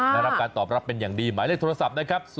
ได้รับการตอบรับเป็นอย่างดีหมายเลขโทรศัพท์นะครับ